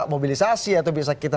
mobilisasi atau bisa kita